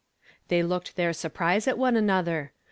They looked their suri)rise at one another.